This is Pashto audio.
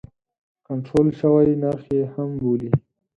کنټرول شوی نرخ یې هم بولي.